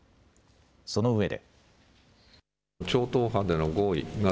そのうえで。